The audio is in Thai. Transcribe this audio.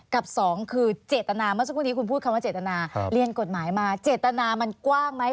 สองคือเจตนาเมื่อสักครู่นี้คุณพูดคำว่าเจตนาเรียนกฎหมายมาเจตนามันกว้างไหม